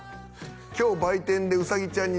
「今日売店でうさぎちゃんに」